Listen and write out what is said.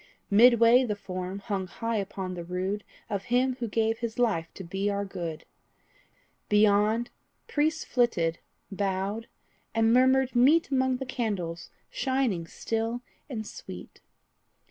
Midway the form hung high upon the rood Of him who gave his life to be our good; Beyond, priests flitted, bowed, and murmured meet Among the candles shining still and sweet.